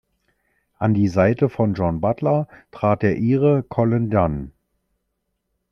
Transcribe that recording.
An die Seite von Jean Butler trat der Ire Colin Dunne.